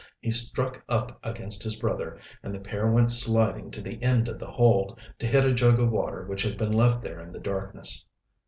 He struck up against his brother, and the pair went sliding to the end of the hold, to hit a jug of water which had been left there in the darkness.